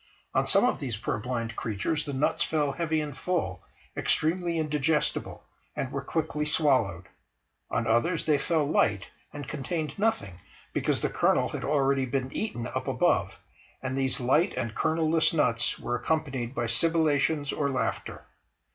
On some of these purblind creatures the nuts fell heavy and full, extremely indigestible, and were quickly swallowed; on others they fell light, and contained nothing, because the kernel had already been eaten up above, and these light and kernel less nuts were accompanied by sibilations or laughter.